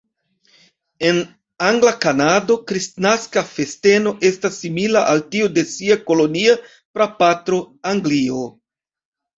En angla Kanado, kristnaska festeno estas simila al tiu de sia kolonia prapatro, Anglio.